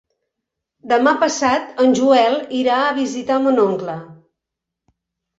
Demà passat en Joel irà a visitar mon oncle.